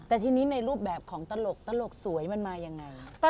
แต่ทีนี้ในรูปแบบของตลกสวยมันมายังไง